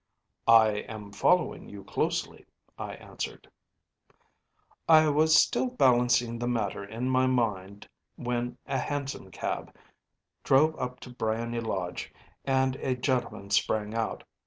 ‚ÄĚ “I am following you closely,‚ÄĚ I answered. “I was still balancing the matter in my mind when a hansom cab drove up to Briony Lodge, and a gentleman sprang out.